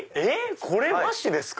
これ和紙ですか？